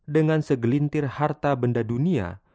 dengan segelintir harta benda dunia